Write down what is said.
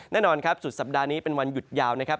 แน่นอนครับสุดสัปดาห์นี้เป็นวันหยุดยาวนะครับ